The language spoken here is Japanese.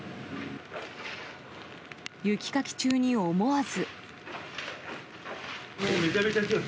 雪かき中に、思わず。